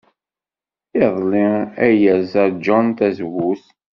Iḍelli ay yerẓa John tazewwut.